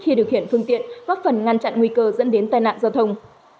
khi điều khiển phương tiện góp phần ngăn chặn nguy cơ dẫn đến tai nạn giao thông